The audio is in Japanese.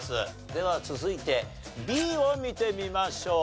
では続いてＢを見てみましょう。